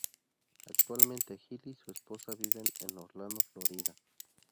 Actualmente, Hill y su esposa viven en Orlando, Florida.